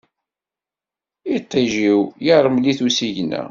Iṭij-iw, iṛmel-it usigna.